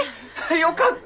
よかった！